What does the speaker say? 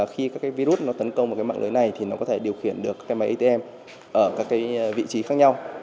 khi các virus tấn công mạng lưới này nó có thể điều khiển được các máy atm ở các vị trí khác nhau